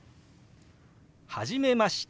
「初めまして。